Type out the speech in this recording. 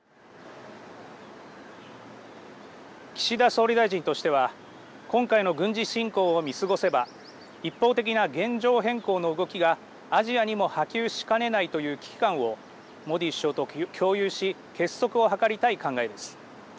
岸田総理大臣としては今回の軍事侵攻を見過ごせば一方的な現状変更の動きがアジアにも波及しかねないという危機感をモディ首相と共有し結束を図りたい考えです。